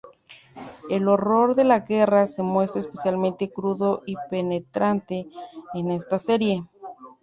El horror de la guerra se muestra especialmente crudo y penetrante en esta serie.